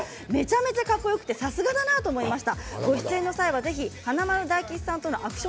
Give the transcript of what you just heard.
めちゃめちゃかっこよくてさすがだなと思いました。